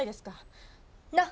なっ？